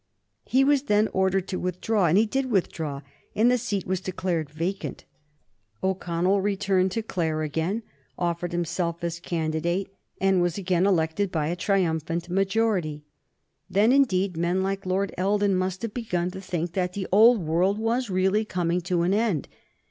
He was then ordered to withdraw, and he did withdraw, and the seat was declared vacant. O'Connell returned to Clare, again offered himself as candidate, and was again elected by a triumphant majority. Then, indeed, men like Lord Eldon must have begun to think that the old world was really coming to an end.